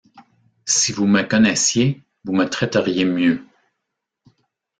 Si vous me connaissiez, vous me traiteriez mieux.